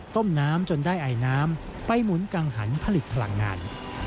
ต้มน้ำจนได้ไอน้ำไปหมุนกังหันผลิตพลังงาน